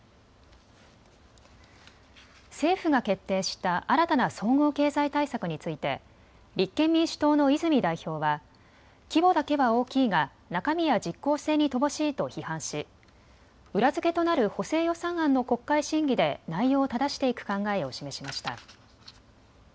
政府が決定した新たな総合経済対策について立憲民主党の泉代表は規模だけは大きいが中身や実効性に乏しいと批判し裏付けとなる補正予算案の国会審議で内容をただしていく考えを示しました。